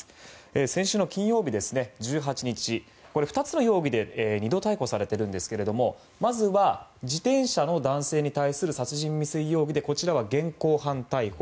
先週の金曜日の１８日２つの容疑で２度逮捕されてるんですけれどもまずは自転車の男性に対する殺人未遂容疑でこちらは現行犯逮捕。